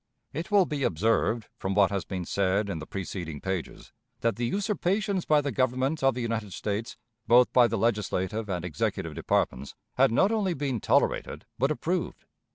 It will be observed, from what has been said in the preceding pages, that the usurpations by the Government of the United States, both by the legislative and executive departments, had not only been tolerated but approved.